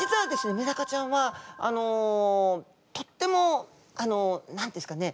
メダカちゃんはとってもあの何て言うんですかねえ！？